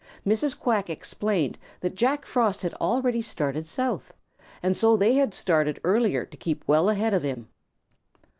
Mrs. Quack explained that Jack Frost had already started south, and so they had started earlier to keep well ahead of him.